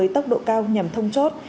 trường cao nhằm thông chốt